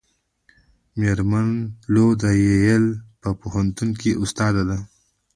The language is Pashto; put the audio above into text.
میرمن لو د ییل په پوهنتون کې استاده ده.